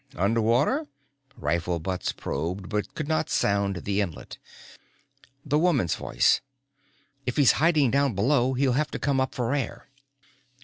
"Under water?" Rifle butts probed but could not sound the inlet. The woman's voice. "If he is hiding down below he'll have to come up for air."